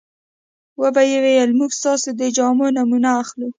وبه یې ویل موږ ستاسو د جامو نمونه اخلو.